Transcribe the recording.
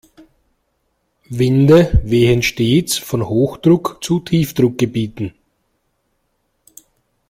Winde wehen stets von Hochdruck- zu Tiefdruckgebieten.